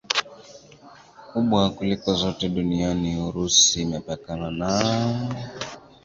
kubwa kuliko zote duniani Urusi imepakana na